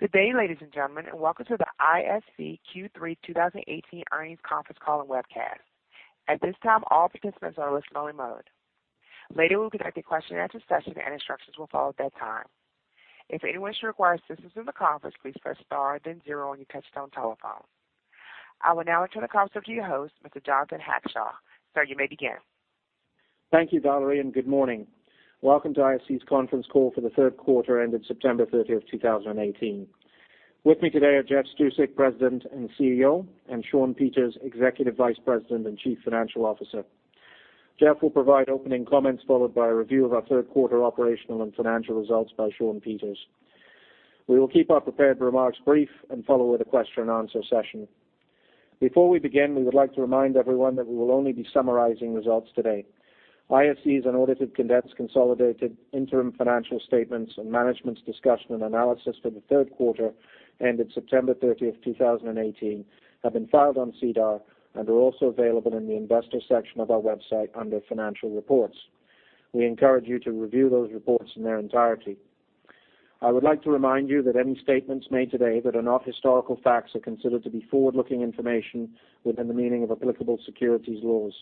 Good day, ladies and gentlemen. Welcome to the ISC Q3 2018 earnings conference call and webcast. At this time, all participants are in listen-only mode. Later, we'll conduct a question and answer session, and instructions will follow at that time. If anyone should require assistance in the conference, please press star then zero on your touch-tone telephone. I will now turn the conference over to your host, Mr. Jonathan Hackshaw. Sir, you may begin. Thank you, Valerie. Good morning. Welcome to ISC's conference call for the third quarter ended September 30th, 2018. With me today are Jeff Stusek, President and CEO, and Shawn Peters, Executive Vice President and Chief Financial Officer. Jeff will provide opening comments, followed by a review of our third quarter operational and financial results by Shawn Peters. We will keep our prepared remarks brief and follow with a question and answer session. Before we begin, we would like to remind everyone that we will only be summarizing results today. ISC's unaudited, condensed, consolidated interim financial statements and management's discussion and analysis for the third quarter ended September 30th, 2018 have been filed on SEDAR and are also available in the investor section of our website under financial reports. We encourage you to review those reports in their entirety. I would like to remind you that any statements made today that are not historical facts are considered to be forward-looking information within the meaning of applicable securities laws.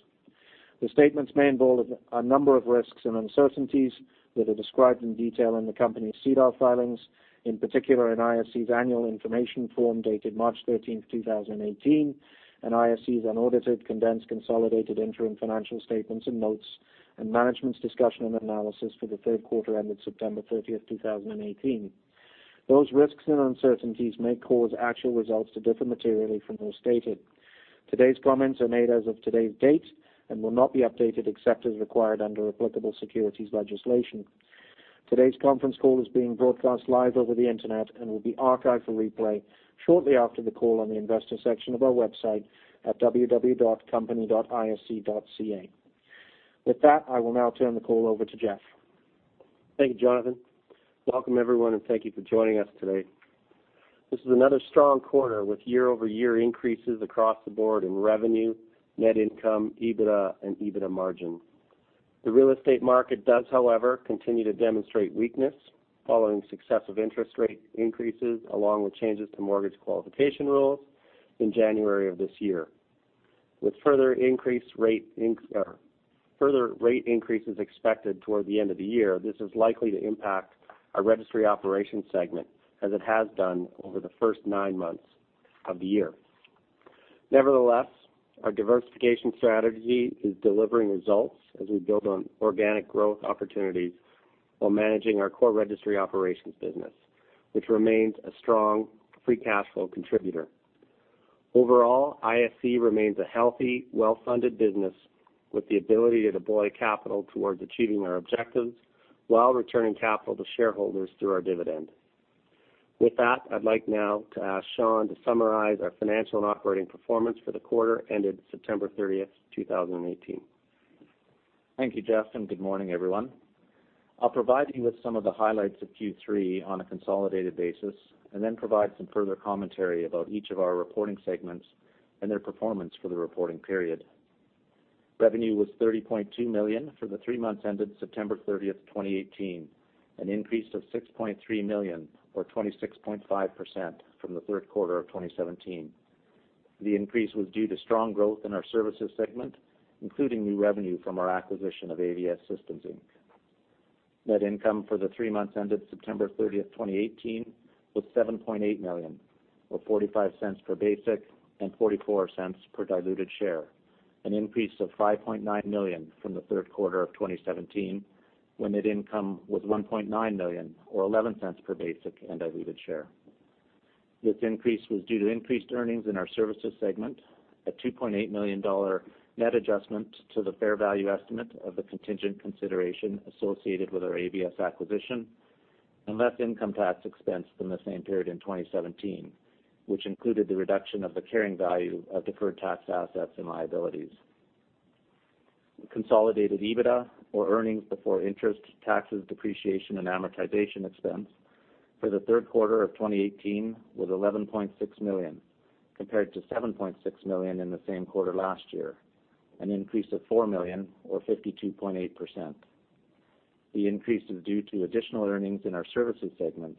The statements may involve a number of risks and uncertainties that are described in detail in the company's SEDAR filings. In particular, in ISC's annual information form dated March 13th, 2018, and ISC's unaudited, condensed, consolidated interim financial statements and notes and management's discussion and analysis for the third quarter ended September 30th, 2018. Those risks and uncertainties may cause actual results to differ materially from those stated. Today's comments are made as of today's date and will not be updated except as required under applicable securities legislation. Today's conference call is being broadcast live over the internet and will be archived for replay shortly after the call on the investor section of our website at company.isc.ca. With that, I will now turn the call over to Jeff. Thank you, Jonathan. Welcome, everyone, and thank you for joining us today. This is another strong quarter with year-over-year increases across the board in revenue, net income, EBITDA, and EBITDA margin. The real estate market does, however, continue to demonstrate weakness following successive interest rate increases, along with changes to mortgage qualification rules in January of this year. With further rate increases expected toward the end of the year, this is likely to impact our Registry Operations segment, as it has done over the first nine months of the year. Nevertheless, our diversification strategy is delivering results as we build on organic growth opportunities while managing our core Registry Operations business, which remains a strong free cash flow contributor. Overall, ISC remains a healthy, well-funded business with the ability to deploy capital towards achieving our objectives while returning capital to shareholders through our dividend. With that, I'd like now to ask Shawn to summarize our financial and operating performance for the quarter ended September 30th, 2018. Thank you, Jeff, and good morning, everyone. I'll provide you with some of the highlights of Q3 on a consolidated basis and then provide some further commentary about each of our reporting segments and their performance for the reporting period. Revenue was 30.2 million for the three months ended September 30th, 2018, an increase of 6.3 million or 26.5% from the third quarter of 2017. The increase was due to strong growth in our Services segment, including new revenue from our acquisition of AVS Systems Inc. Net income for the three months ended September 30th, 2018 was 7.8 million, or 0.45 per basic and 0.44 per diluted share, an increase of 5.9 million from the third quarter of 2017, when net income was 1.9 million, or 0.11 per basic and diluted share. This increase was due to increased earnings in our Services segment, a 2.8 million dollar net adjustment to the fair value estimate of the contingent consideration associated with our AVS acquisition, and less income tax expense than the same period in 2017, which included the reduction of the carrying value of deferred tax assets and liabilities. Consolidated EBITDA, or earnings before interest, taxes, depreciation, and amortization expense, for the third quarter of 2018 was 11.6 million, compared to 7.6 million in the same quarter last year, an increase of 4 million or 52.8%. The increase is due to additional earnings in our Services segment,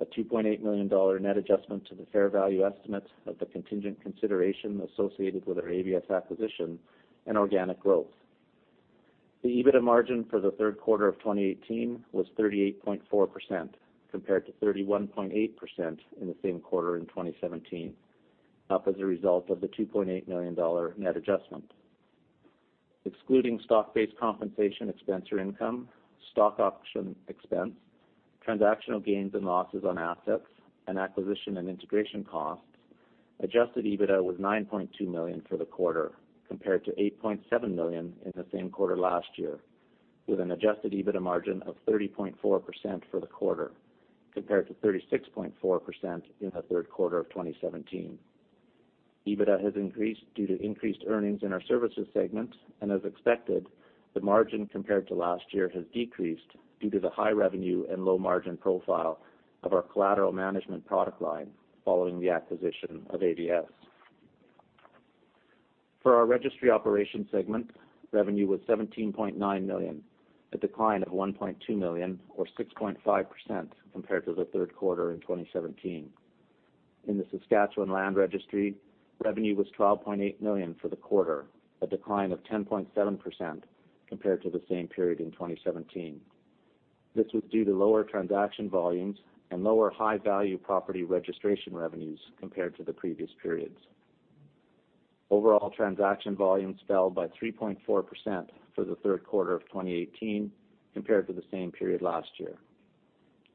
a 2.8 million dollar net adjustment to the fair value estimates of the contingent consideration associated with our AVS acquisition, and organic growth. The EBITDA margin for the third quarter of 2018 was 38.4%, compared to 31.8% in the same quarter in 2017, up as a result of the 2.8 million dollar net adjustment. Excluding stock-based compensation expense or income, stock option expense, transactional gains and losses on assets, and acquisition and integration costs, adjusted EBITDA was 9.2 million for the quarter, compared to 8.7 million in the same quarter last year, with an adjusted EBITDA margin of 30.4% for the quarter, compared to 36.4% in the third quarter of 2017. EBITDA has increased due to increased earnings in our Services segment, as expected, the margin compared to last year has decreased due to the high revenue and low margin profile of our collateral management product line following the acquisition of AVS. For our Registry Operations segment, revenue was 17.9 million, a decline of 1.2 million or 6.5% compared to the third quarter in 2017. In the Saskatchewan Land Registry, revenue was 12.8 million for the quarter, a decline of 10.7% compared to the same period in 2017. This was due to lower transaction volumes and lower high-value property registration revenues compared to the previous periods. Overall transaction volumes fell by 3.4% for the third quarter of 2018 compared to the same period last year.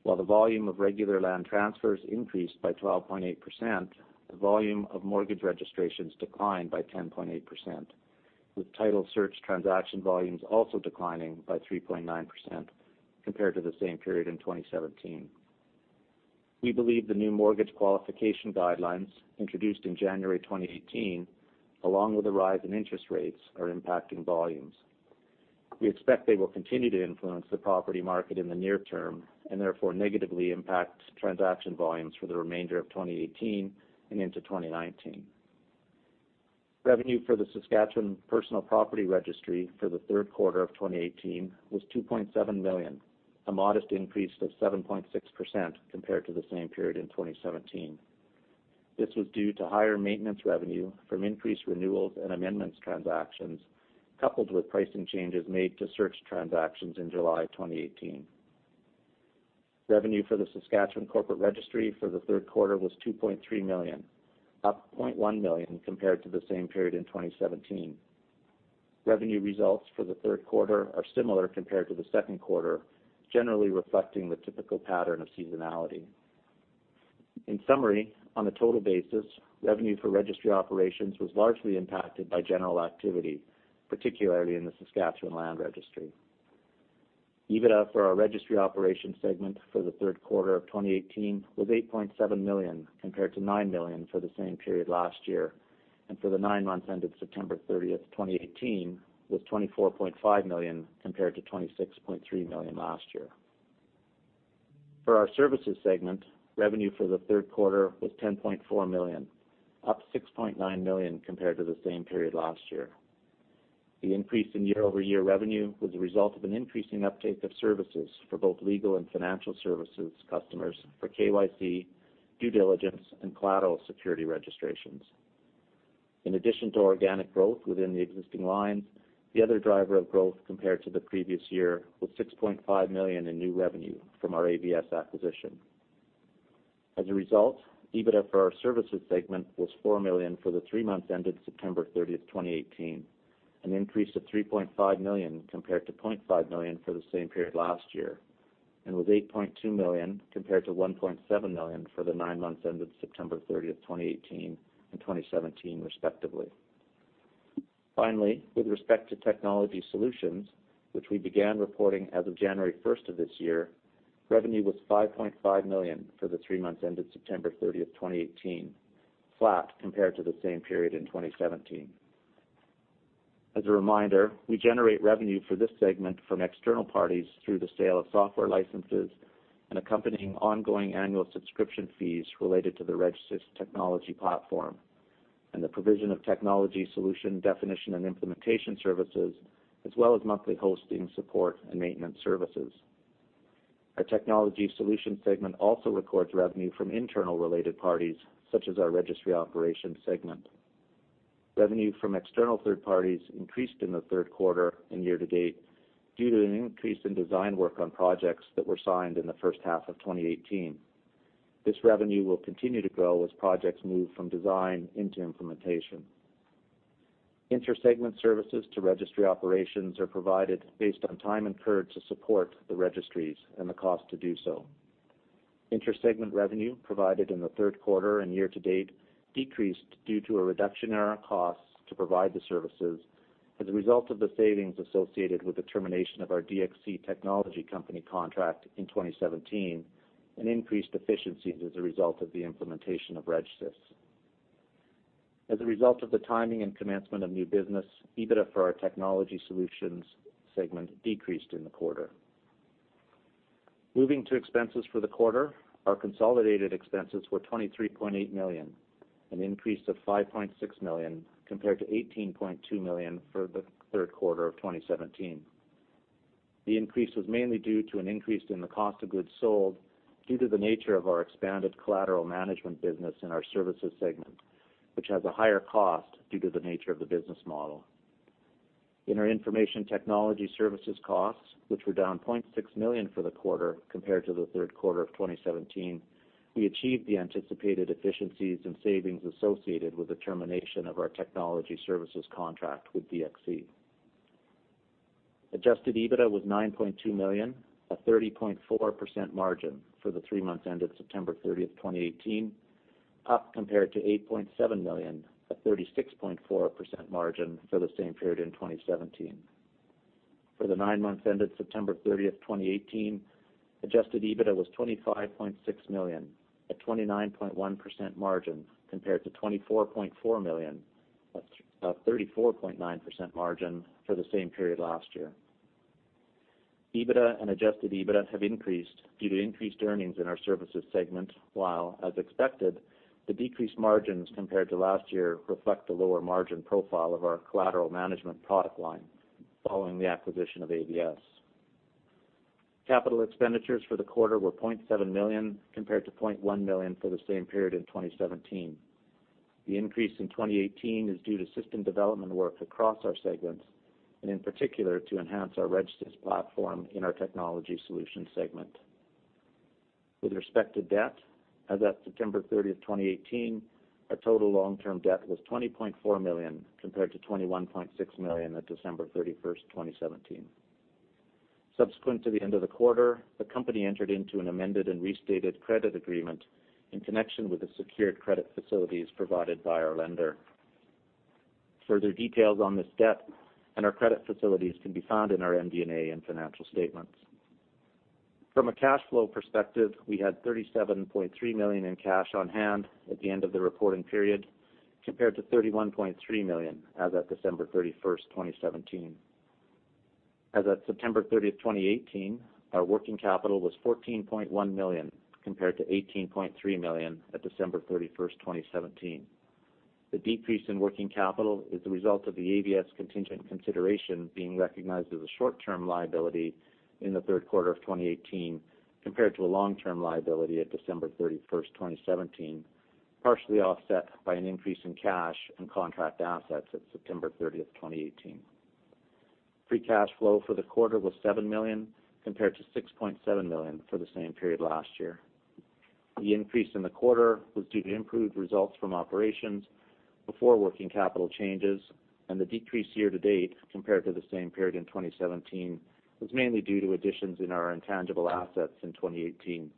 While the volume of regular land transfers increased by 12.8%, the volume of mortgage registrations declined by 10.8%, with title search transaction volumes also declining by 3.9% compared to the same period in 2017. We believe the new mortgage qualification guidelines introduced in January 2018, along with the rise in interest rates, are impacting volumes. We expect they will continue to influence the property market in the near term and therefore negatively impact transaction volumes for the remainder of 2018 and into 2019. Revenue for the Saskatchewan Personal Property Registry for the third quarter of 2018 was 2.7 million, a modest increase of 7.6% compared to the same period in 2017. This was due to higher maintenance revenue from increased renewals and amendments transactions, coupled with pricing changes made to search transactions in July 2018. Revenue for the Saskatchewan Corporate Registry for the third quarter was 2.3 million, up 0.1 million compared to the same period in 2017. Revenue results for the third quarter are similar compared to the second quarter, generally reflecting the typical pattern of seasonality. In summary, on a total basis, revenue for Registry Operations was largely impacted by general activity, particularly in the Saskatchewan Land Registry. EBITDA for our Registry Operations segment for the third quarter of 2018 was 8.7 million compared to 9 million for the same period last year, and for the nine months ended September 30th, 2018 was 24.5 million compared to 26.3 million last year. For our Services segment, revenue for the third quarter was 10.4 million, up 6.9 million compared to the same period last year. The increase in year-over-year revenue was a result of an increasing uptake of services for both legal and financial services customers for KYC, due diligence, and collateral security registrations. In addition to organic growth within the existing lines, the other driver of growth compared to the previous year was 6.5 million in new revenue from our AVS acquisition. As a result, EBITDA for our Services segment was 4 million for the three months ended September 30, 2018, an increase of 3.5 million compared to 0.5 million for the same period last year, and was 8.2 million compared to 1.7 million for the nine months ended September 30, 2018 and 2017, respectively. Finally, with respect to Technology Solutions, which we began reporting as of January 1 of this year, revenue was 5.5 million for the three months ended September 30, 2018, flat compared to the same period in 2017. As a reminder, we generate revenue for this segment from external parties through the sale of software licenses and accompanying ongoing annual subscription fees related to the RegSys technology platform and the provision of technology solution definition and implementation services, as well as monthly hosting support and maintenance services. Our Technology Solutions segment also records revenue from internal related parties, such as our Registry Operations segment. Revenue from external third parties increased in the third quarter and year-to-date due to an increase in design work on projects that were signed in the first half of 2018. This revenue will continue to grow as projects move from design into implementation. Inter-segment services to Registry Operations are provided based on time incurred to support the registries and the cost to do so. Inter-segment revenue provided in the third quarter and year-to-date decreased due to a reduction in our costs to provide the services as a result of the savings associated with the termination of our DXC Technology Company contract in 2017 and increased efficiencies as a result of the implementation of RegSys. As a result of the timing and commencement of new business, EBITDA for our Technology Solutions segment decreased in the quarter. Moving to expenses for the quarter, our consolidated expenses were 23.8 million, an increase of 5.6 million compared to 18.2 million for the third quarter of 2017. The increase was mainly due to an increase in the cost of goods sold due to the nature of our expanded collateral management business in our Services segment, which has a higher cost due to the nature of the business model. In our information technology services costs, which were down 0.6 million for the quarter compared to the third quarter of 2017, we achieved the anticipated efficiencies and savings associated with the termination of our technology services contract with DXC Technology. Adjusted EBITDA was 9.2 million, a 30.4% margin for the three months ended September 30, 2018, up compared to 8.7 million, a 36.4% margin for the same period in 2017. For the nine months ended September 30, 2018, adjusted EBITDA was 25.6 million, a 29.1% margin compared to 24.4 million, a 34.9% margin for the same period last year. EBITDA and adjusted EBITDA have increased due to increased earnings in our Services segment, while, as expected, the decreased margins compared to last year reflect the lower margin profile of our collateral management product line following the acquisition of AVS. Capital expenditures for the quarter were 0.7 million, compared to 0.1 million for the same period in 2017. The increase in 2018 is due to system development work across our segments, and in particular, to enhance our registries platform in our Technology Solutions segment. With respect to debt, as at September 30th, 2018, our total long-term debt was 20.4 million, compared to 21.6 million at December 31st, 2017. Subsequent to the end of the quarter, the company entered into an amended and restated credit agreement in connection with the secured credit facilities provided by our lender. Further details on this debt and our credit facilities can be found in our MD&A and financial statements. From a cash flow perspective, we had 37.3 million in cash on hand at the end of the reporting period, compared to 31.3 million as at December 31st, 2017. As at September 30th, 2018, our working capital was 14.1 million, compared to 18.3 million at December 31st, 2017. The decrease in working capital is the result of the AVS contingent consideration being recognized as a short-term liability in the third quarter of 2018, compared to a long-term liability at December 31st, 2017, partially offset by an increase in cash and contract assets at September 30th, 2018. Free cash flow for the quarter was 7 million, compared to 6.7 million for the same period last year. The increase in the quarter was due to improved results from operations before working capital changes, and the decrease year to date compared to the same period in 2017 was mainly due to additions in our intangible assets in 2018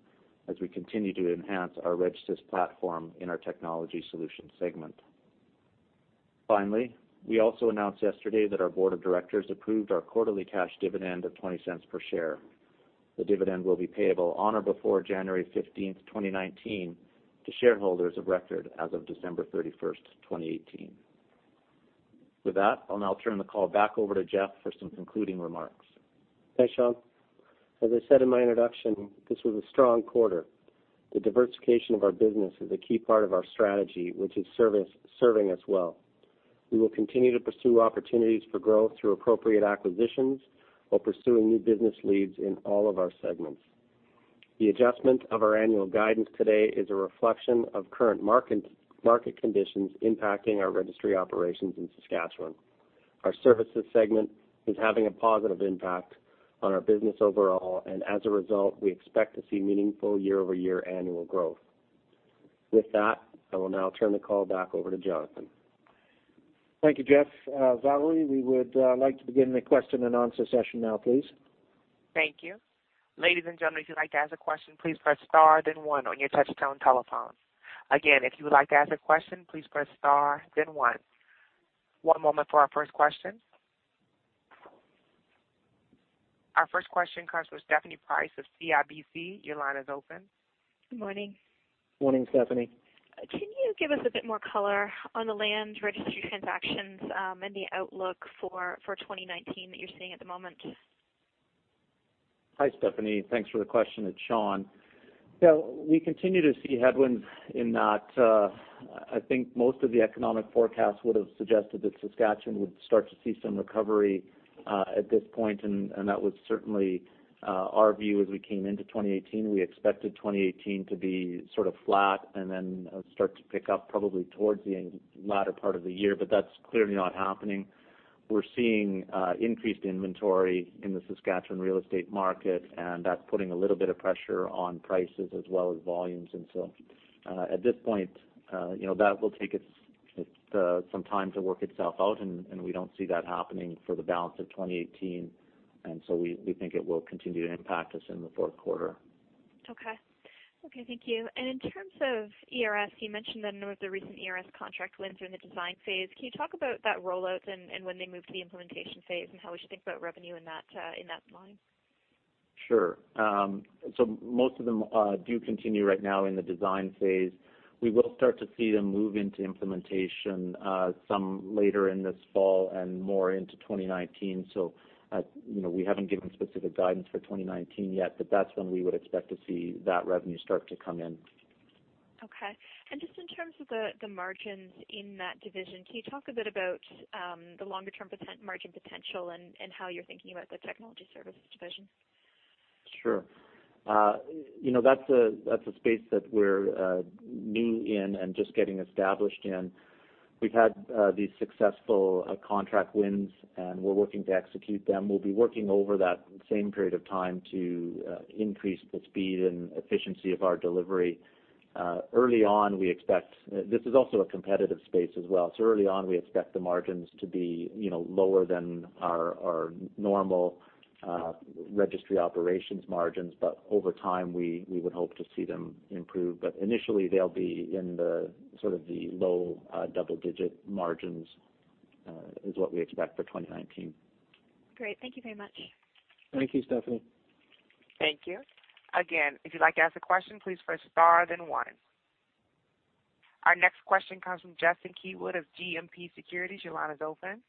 as we continue to enhance our registries platform in our Technology Solutions segment. Finally, we also announced yesterday that our board of directors approved our quarterly cash dividend of 0.20 per share. The dividend will be payable on or before January 15th, 2019, to shareholders of record as of December 31st, 2018. With that, I'll now turn the call back over to Jeff for some concluding remarks. Thanks, Shawn. As I said in my introduction, this was a strong quarter. The diversification of our business is a key part of our strategy, which is serving us well. We will continue to pursue opportunities for growth through appropriate acquisitions while pursuing new business leads in all of our segments. The adjustment of our annual guidance today is a reflection of current market conditions impacting our Registry Operations in Saskatchewan. Our Services segment is having a positive impact on our business overall, and as a result, we expect to see meaningful year-over-year annual growth. With that, I will now turn the call back over to Jonathan. Thank you, Jeff. Valerie, we would like to begin the question and answer session now, please. Thank you. Ladies and gentlemen, if you'd like to ask a question, please press star then one on your touch-tone telephone. Again, if you would like to ask a question, please press star then one. One moment for our first question. Our first question comes from Stephanie Price of CIBC. Your line is open. Good morning. Morning, Stephanie. Can you give us a bit more color on the land registry transactions and the outlook for 2019 that you're seeing at the moment? Hi, Stephanie. Thanks for the question. It's Shawn. We continue to see headwinds in that I think most of the economic forecasts would've suggested that Saskatchewan would start to see some recovery at this point, and that was certainly our view as we came into 2018. We expected 2018 to be sort of flat and then start to pick up probably towards the latter part of the year, but that's clearly not happening. We're seeing increased inventory in the Saskatchewan real estate market, and that's putting a little bit of pressure on prices as well as volumes. At this point, that will take some time to work itself out, and we don't see that happening for the balance of 2018. We think it will continue to impact us in the fourth quarter. Okay. Thank you. In terms of ERS, you mentioned that the recent ERS contract wins are in the design phase. Can you talk about that rollout and when they move to the implementation phase and how we should think about revenue in that line? Sure. Most of them do continue right now in the design phase. We will start to see them move into implementation, some later in this fall and more into 2019. We haven't given specific guidance for 2019 yet, but that's when we would expect to see that revenue start to come in. Just in terms of the margins in that division, can you talk a bit about the longer-term margin potential and how you're thinking about the Technology Solutions? Sure. That's a space that we're new in and just getting established in. We've had these successful contract wins, and we're working to execute them. We'll be working over that same period of time to increase the speed and efficiency of our delivery. This is also a competitive space as well. Early on, we expect the margins to be lower than our normal Registry Operations margins. Over time, we would hope to see them improve. Initially, they'll be in the low double-digit margins is what we expect for 2019. Great. Thank you very much. Thank you, Stephanie. Thank you. Again, if you'd like to ask a question, please press star then one. Our next question comes from Justin Keywood of GMP Securities. Your line is open.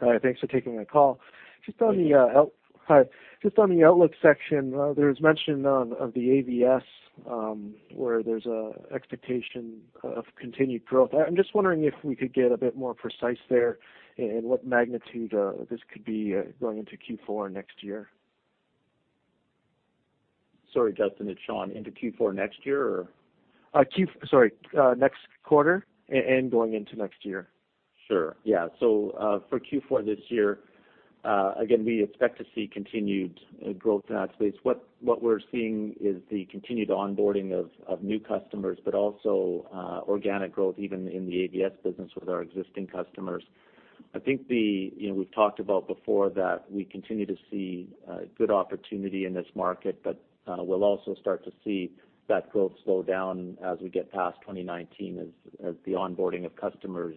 Hi, thanks for taking my call. Thank you. Hi. Just on the outlook section, there was mention of the AVS, where there's an expectation of continued growth. I'm just wondering if we could get a bit more precise there in what magnitude this could be going into Q4 next year. Sorry, Justin. It's Shawn. Into Q4 next year, or? Sorry, next quarter and going into next year. Sure. Yeah. For Q4 this year, again, we expect to see continued growth in that space. What we're seeing is the continued onboarding of new customers, also organic growth even in the AVS business with our existing customers. I think we've talked about before that we continue to see good opportunity in this market, we'll also start to see that growth slow down as we get past 2019 as the onboarding of customers.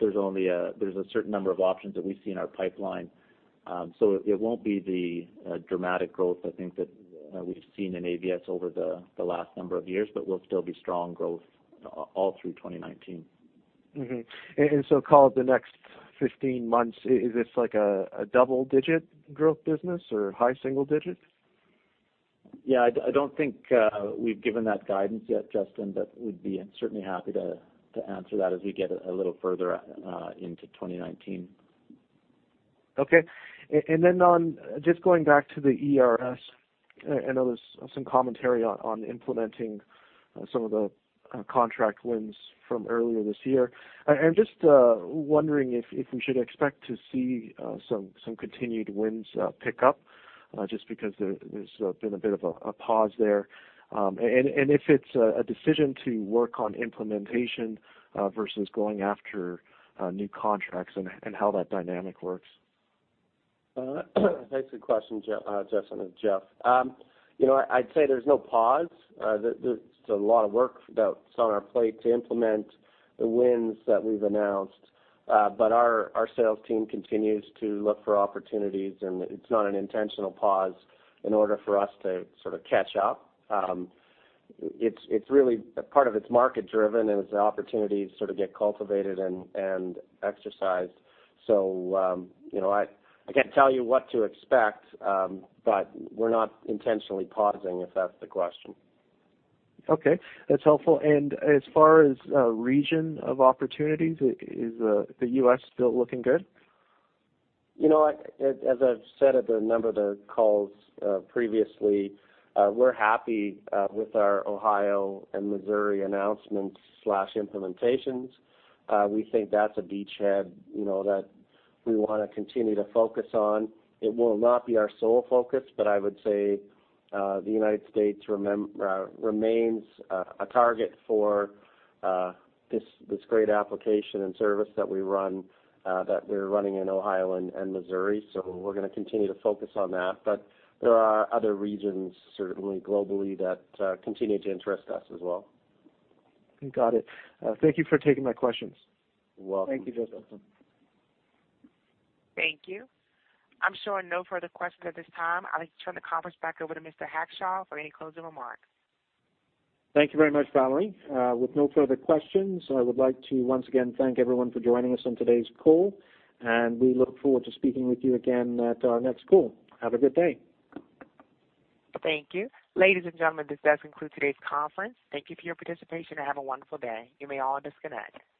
There's a certain number of options that we see in our pipeline. It won't be the dramatic growth, I think that we've seen in AVS over the last number of years, we'll still be strong growth all through 2019. Mm-hmm. Call it the next 15 months, is this like a double-digit growth business or high single digit? I don't think we've given that guidance yet, Justin, we'd be certainly happy to answer that as we get a little further into 2019. Okay. On just going back to the ERS, I know there's some commentary on implementing some of the contract wins from earlier this year. I'm just wondering if we should expect to see some continued wins pick up, just because there's been a bit of a pause there. If it's a decision to work on implementation, versus going after new contracts and how that dynamic works. That's a good question, Justin and Jeff. I'd say there's no pause. There's a lot of work that's on our plate to implement the wins that we've announced. Our sales team continues to look for opportunities, it's not an intentional pause in order for us to sort of catch up. Part of it's market driven, it's an opportunity to sort of get cultivated and exercised. I can't tell you what to expect, we're not intentionally pausing, if that's the question. Okay. That's helpful. As far as region of opportunities, is the U.S. still looking good? As I've said at a number of the calls previously, we're happy with our Ohio and Missouri announcements/implementations. We think that's a beachhead that we want to continue to focus on. It will not be our sole focus, but I would say, the United States remains a target for this great application and service that we're running in Ohio and Missouri. We're going to continue to focus on that. There are other regions, certainly globally, that continue to interest us as well. Got it. Thank you for taking my questions. You're welcome. Thank you, Justin. Thank you. I'm showing no further questions at this time. I'd like to turn the conference back over to Mr. Hackshaw for any closing remarks. Thank you very much, Valerie. With no further questions, I would like to once again thank everyone for joining us on today's call, and we look forward to speaking with you again at our next call. Have a good day. Thank you. Ladies and gentlemen, this does conclude today's conference. Thank you for your participation and have a wonderful day. You may all disconnect.